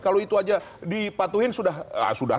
kalau itu saja dipatuhin sudah